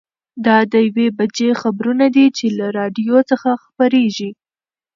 دا د یوې بجې خبرونه دي چې له راډیو څخه خپرېږي.